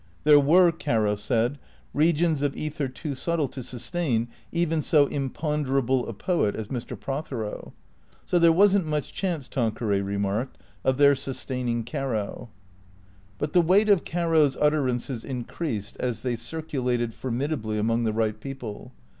There were, Caro said, regions of ether too subtle to sustain even so im ponderable a poet as Mr. Prothero. So there was n't much chance, Tanqueray remarked, of their sustaining Caro. But the weight of Caro's utterances increased, as they circu lated, formidably, among the right people.